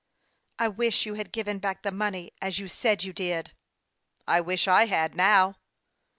" I wish you had given back the money, as you said you did." " I wish I had now."